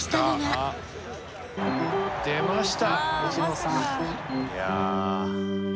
出ました！